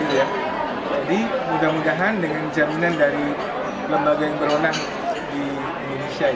jadi mudah mudahan dengan jaminan dari lembaga yang beronan di indonesia ini